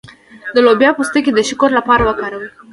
د لوبیا پوستکی د شکر لپاره وکاروئ